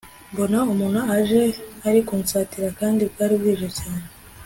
mbona umuntu aje ari kunsatira kandi bwari bwije cyane